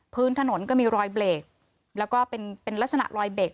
พื้นถนนก็มีรอยเบรกแล้วก็เป็นลักษณะรอยเบรก